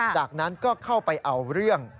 จากนั้นก็เข้าไปเอาเรื่อง